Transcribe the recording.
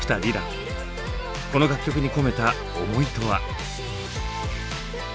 この楽曲に込めた思いとは？